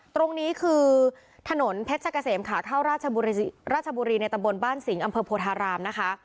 ตรงนี้คือถนนเพชรกาเสมขาข่าวราชบุรีในตำบลบ้านสิงอพภรราม